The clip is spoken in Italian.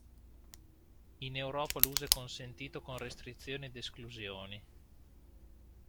In Europa l'uso è consentito con restrizioni ed esclusioni.